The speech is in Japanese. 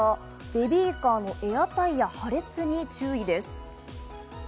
ベビーカーのエアタイヤ、破裂に注意です。